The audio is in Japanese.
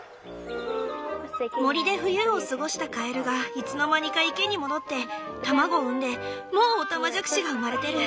森で冬を過ごしたカエルがいつの間にか池に戻って卵を産んでもうオタマジャクシが産まれてる。